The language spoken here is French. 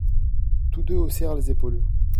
Tous deux haussèrent les épaules.